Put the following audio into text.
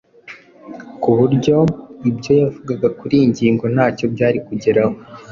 ku buryo ibyo yavugaga kuri iyi ngingo ntacyo byari kugeraho.